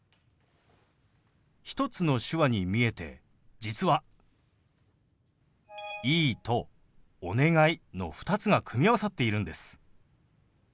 １つの手話に見えて実は「いい」と「お願い」の２つが組み合わさっているんです。